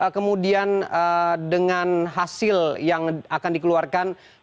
kemudian dengan hasil yang akan dikeluarkan